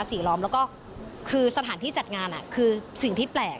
ก็คือสถานที่จัดงานอะคือสิ่งที่แปลก